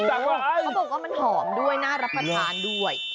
เขาบอกว่ามันหอมด้วยน่ารับประทานด้วย